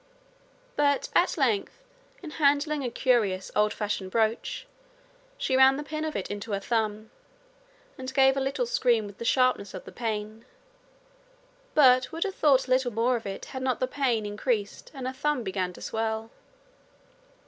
But, at length, in handling a curious old fashioned brooch, she ran the pin of it into her thumb, and gave a little scream with the sharpness of the pain, but would have thought little more of it had not the pain increased and her thumb begun to swell.